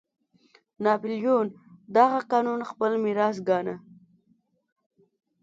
ناپلیون دغه قانون خپل لوی میراث ګاڼه.